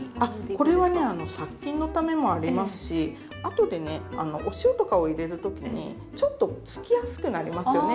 これはね殺菌のためもありますし後でねお塩とかを入れるときにちょっとつきやすくなりますよね。